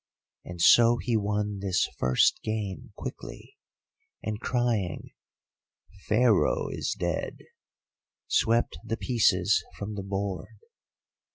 And so he won this first game quickly, and crying, 'Pharaoh is dead,' swept the pieces from the board.